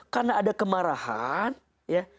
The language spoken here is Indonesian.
karena ada kemarahan ya